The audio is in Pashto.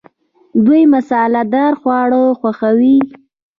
دوی مساله دار خواړه خوښوي.